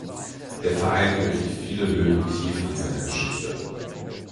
Der Verein durchlief viele Höhen und Tiefen in seiner Geschichte.